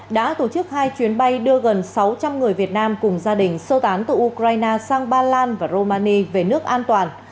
đã tổ chức hai chuyến bay đưa gần sáu trăm linh người việt nam cùng gia đình sơ tán từ ukraine sang ba lan và romani về nước an toàn